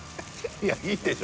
いいいでしょ